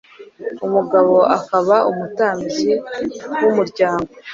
umugabo akaba umutambyi w’umuryango